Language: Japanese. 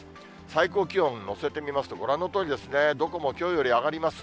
最高気温をのせてみますと、ご覧のとおりですね、どこもきょうより上がります。